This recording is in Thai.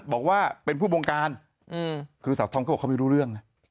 บอกว่าเป็นผู้บงการคือสาวทอมก็บอกเขาไม่รู้เรื่องนะ